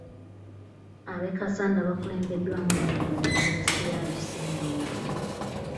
Ab’e Kassanda baakulembeddwamu ow’eggombolola Siraje Ssendawula.